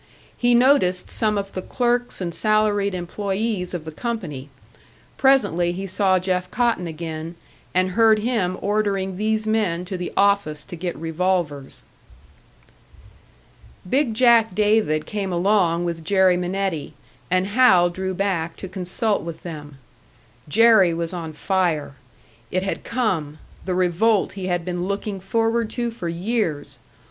He noticed some of the clerks and salaried employés of the company; presently he saw Jeff Cotton again, and heard him ordering these men to the office to get revolvers. "Big Jack" David came along with Jerry Minetti, and Hal drew back to consult with them. Jerry was on fire. It had come the revolt he had been looking forward to for years!